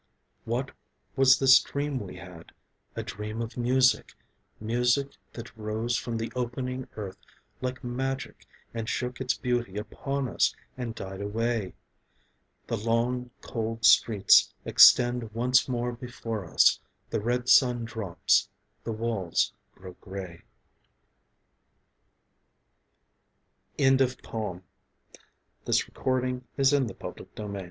What was this dream we had, a dream of music, Music that rose from the opening earth like magic And shook its beauty upon us and died away? The long cold streets extend once more before us. The red sun drops, the walls grow gre